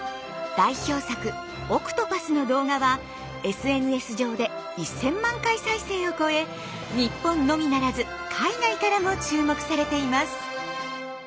「海蛸子」の動画はＳＮＳ上で１，０００万回再生を超え日本のみならず海外からも注目されています。